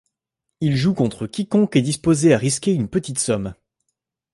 Il joue contre quiconque est disposé à risquer une petite somme.